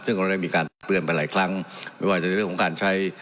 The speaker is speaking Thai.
ซึ่งเราได้มีการเตือนไปหลายครั้งไม่ว่าจะในเรื่องของการใช้